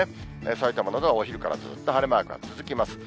さいたまなどはお昼からずっと晴れマークが続きます。